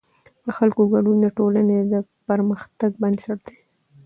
د خلکو ګډون د ټولنې د پرمختګ بنسټ دی